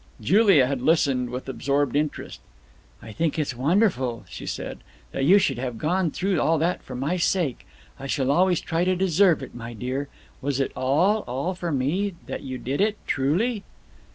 Julia had listened with absorbed interest. "I think it is wonderful," she said, "that you should have gone through all that for my sake. I shall always try to deserve it, my dear. Was it all, all for me, that you did it, truly?"